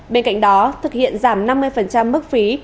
bên cạnh đó thực hiện giảm năm mươi mức phí